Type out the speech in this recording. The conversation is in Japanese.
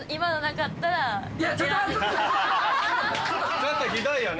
ちょっとひどいよね